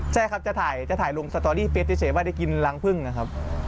ใช่ครับจะถ่ายจะถ่ายลงสตอรี่เฟสเฉยว่าได้กินรังพึ่งนะครับ